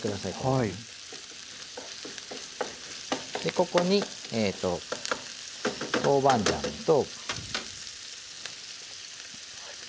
ここに豆板醤と。